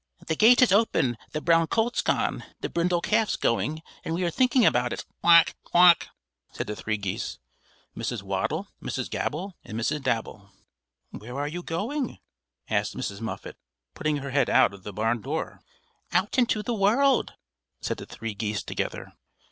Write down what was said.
"The gate is open, the brown colt's gone, the brindle calf's going and we are thinking about it; quawk! quawk!" said the three geese, Mrs. Waddle, Mrs. Gabble, and Mrs. Dabble. "Where are you going?" asked Mrs. Muffet, putting her head out of the barn door. "Out into the world," said the three geese together.